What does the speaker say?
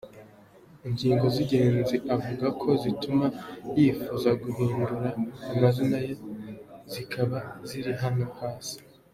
Ingingo z’ingenzi avuga ko zituma yifuza guhindura amazina ye zikaba ziri hano hasi:.